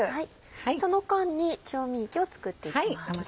その間に調味液を作っていきます。